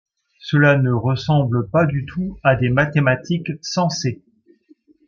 Cela ne ressemble pas du tout à des mathématiques sensées.